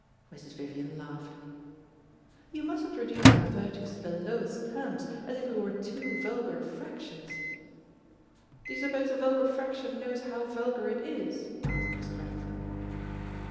Mrs. Vivian laughed. "You mustn't reduce our virtues to the lowest terms, as if we were two vulgar fractions." "Do you suppose a vulgar fraction knows how vulgar it is?" asked Miss Grantham.